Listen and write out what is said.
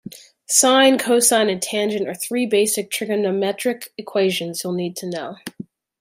Sine, cosine and tangent are three basic trigonometric equations you'll need to know.